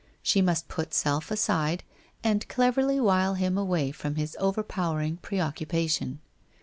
She must put self aside, and cleverly wile him away from his overpowering pre occupation.